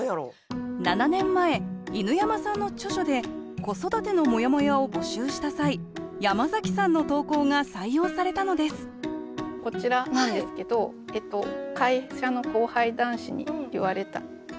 ７年前犬山さんの著書で子育てのモヤモヤを募集した際山崎さんの投稿が採用されたのですこちらなんですけどっていう。